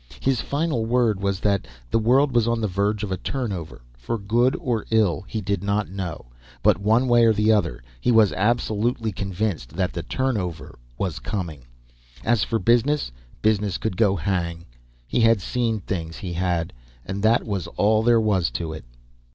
His final word was that, the world was on the verge of a turnover, for good or ill he did not know, but, one way or the other, he was absolutely convinced that the turnover was coming. As for business, business could go hang. He had seen things, he had, and that was all there was to it.